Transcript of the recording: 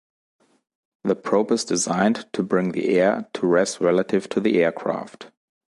The probe is designed to bring the air to rest relative to the aircraft.